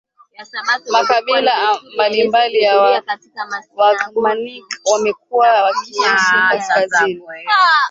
Makabila mbalimbali ya Wagermanik yamekuwa yakiishi kaskazini